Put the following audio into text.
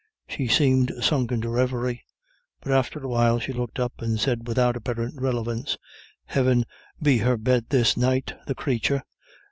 She seemed sunk into a reverie. But after a while she looked up and said without apparent relevance: "Heaven be her bed this night, the cratur.